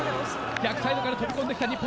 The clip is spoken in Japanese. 逆サイドから飛び込んできた日本。